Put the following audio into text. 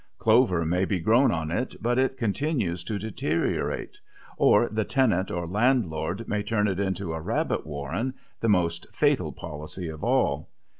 Clover may be grown on it but it continues to deteriorate; or the tenant or landlord may turn it into a rabbit warren, the most fatal policy of all.